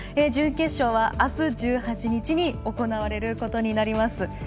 準決勝はあす１８日に行われることになります。